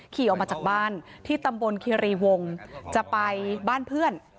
ขี่ออกมาจากบ้านที่ตำบลคิรีวงจะไปบ้านเพื่อน